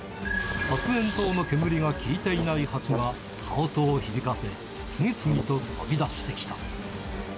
発煙筒の煙が効いていないハチが、羽音を響かせ、次々と飛び出してきた。